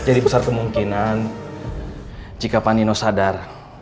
jadi besar kemungkinan jika pak nino sadar